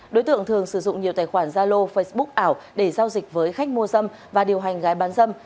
đối tượng thường sử dụng nhiều tài khoản zalo facebook ảo để giao dịch với khách mua dâm và điều hành gái bán dâm